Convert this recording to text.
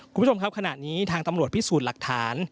คุณผู้ชมครับขณะนี้ทางตำรวจพิสูจน์หลักฐาน